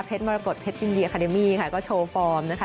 เพชรมรกฎเพชรยินดีอาคาร์เดมี่ค่ะก็โชว์ฟอร์มนะคะ